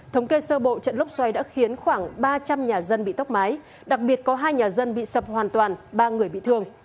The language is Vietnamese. thống kê sơ bộ trận lốc xoáy đã khiến khoảng ba trăm linh nhà dân bị tốc mái đặc biệt có hai nhà dân bị sập hoàn toàn ba người bị thương